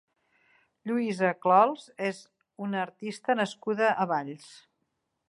Lluïsa Clols és una artista nascuda a Valls.